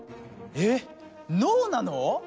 えっ脳なの？